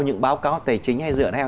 những báo cáo tài chính hay dựa theo